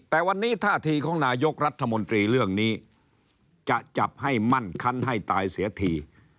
แต่วันนี้ท่าทีของนายกรัฐมนตรีเรื่องนี้จะจับให้มั่นคันให้ตายเสียที